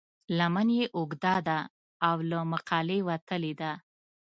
لمن یې اوږده ده او له مقالې وتلې ده.